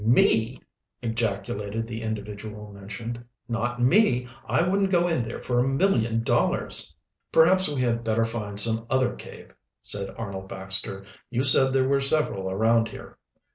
"Me?" ejaculated the individual mentioned. "Not me! I wouldn't go in there for a million dollars!" "Perhaps we had better find some other cave," said Arnold Baxter. "You said there were several around here."